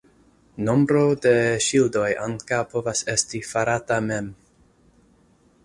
Nombro de ŝildoj ankaŭ povas esti farata mem.